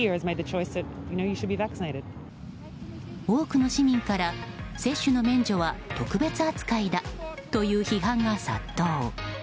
多くの市民から接種の免除は特別扱いだという批判が殺到。